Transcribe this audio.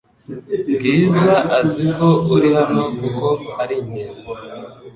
Bwiza azi ko uri hano kuko ari ingenzi